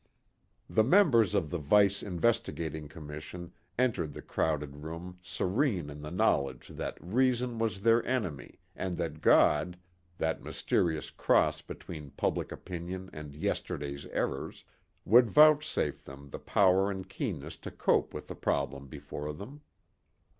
The members of the Vice Investigating Commission entered the crowded room serene in the knowledge that reason was their enemy and that God that mysterious cross between public opinion and yesterday's errors would vouchsafe them the power and keenness to cope with the problem before them.